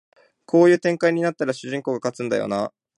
こういう展開になったら主人公が勝つんだよなあ